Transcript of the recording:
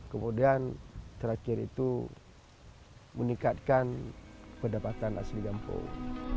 kemudian terakhir itu meningkatkan pendapatan asli kampung